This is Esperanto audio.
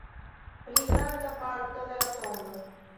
Pli granda parto de la tn.